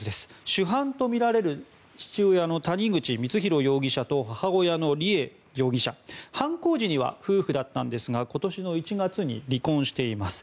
主犯とみられる父親の谷口光弘容疑者と母親の梨恵容疑者犯行時には夫婦だったんですが今年の１月に離婚しています。